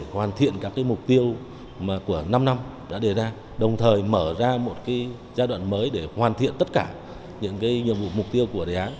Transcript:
hoàn thiện các mục tiêu của năm năm đã đề ra đồng thời mở ra một giai đoạn mới để hoàn thiện tất cả những nhiệm vụ mục tiêu của đề án